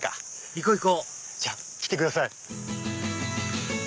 行こう行こう！じゃあ来てください。